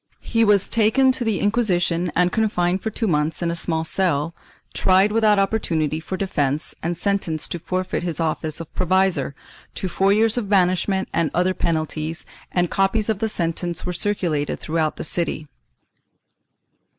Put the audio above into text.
He was taken to the Inquisition and confined for two months in a small cell, tried without opportunity for defence and sentenced to forfeit his office of provisor, to four years of banishment and other penalties, and copies of the sentence were circulated through out the city.